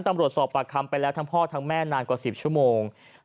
ตำรวจสอบปากคำไปแล้วทั้งพ่อทั้งแม่นานกว่า๑๐ชั่วโมง